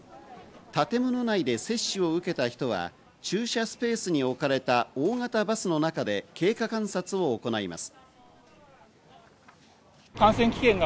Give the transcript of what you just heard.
建物内で接種を受けた人は駐車スペースに置かれた大型バスの中で経過観察を行います。